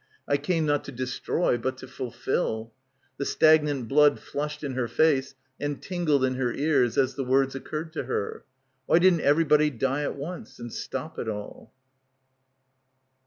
"I came not to destroy but to fulfil." The stagnant blood flushed in her face and tingled in her ears as the words occurred to her. Why didn't everybody die at once and stop it all?